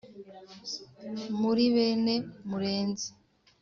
Muri bene Murenzi